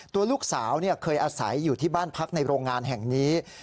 ตัวลูกสาวเคยอาศัยอยู่ที่บ้านพักในโรงงานแห่งนี้